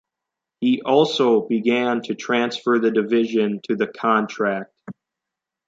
He also began to transfer the division to the "contract".